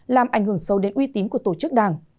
làm ảnh hưởng sâu đến uy tín của tổ chức đảng